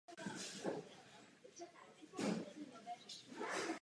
Konstruktéři se snažili snížit váhu vozu častým používáním uhlíkových vláken.